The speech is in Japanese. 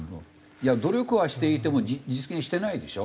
いや努力はしていても実現してないでしょ。